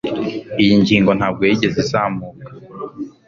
iyo ngingo ntabwo yigeze izamuka